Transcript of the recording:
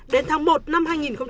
đến tháng một năm hai nghìn hai mươi